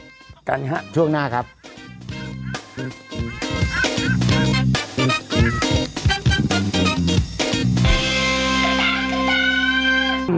พี่โอ๊คบอกว่าเขินถ้าต้องเป็นเจ้าภาพเนี่ยไม่ไปร่วมงานคนอื่นอะได้